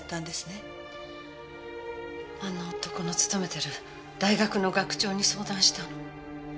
あの男の勤めてる大学の学長に相談したの。